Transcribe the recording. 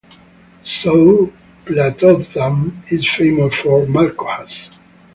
So Plathottam is famous for malkohas.